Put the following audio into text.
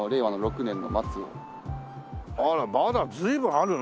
あらまだ随分あるね。